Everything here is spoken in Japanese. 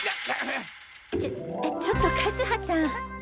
ちょちょっと和葉ちゃん？